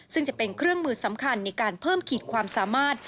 ซึ่งจะเป็นเครื่องมือสำคัญในการเพิ่มขีดความสามารถ